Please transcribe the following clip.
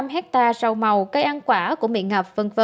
hai bốn trăm linh hectare sâu màu cây ăn quả cũng bị ngập v v